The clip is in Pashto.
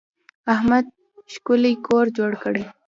احمد ښکلی کور جوړ کړی.